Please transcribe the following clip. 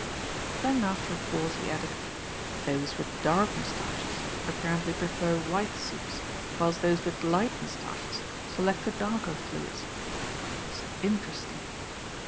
Then after a pause he added, "Those with dark moustaches apparently prefer white soups, whilst those with light moustaches select the darker fluids. It's interesting."